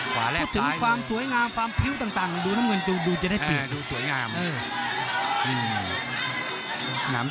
พูดถึงความสวยงามครบผิวต่างต่าง